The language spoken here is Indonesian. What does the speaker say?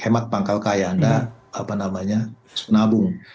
hemat pangkal kaya dan penabung